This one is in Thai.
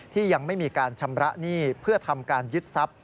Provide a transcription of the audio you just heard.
ที่ยังไม่มีการชำระหนี้เพื่อทำการยึดทรัพย